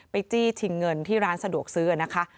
จี้ชิงเงินที่ร้านสะดวกซื้อนะคะ